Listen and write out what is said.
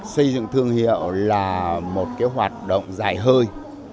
xây dựng thương hiệu là một cái hoạt động dài hơi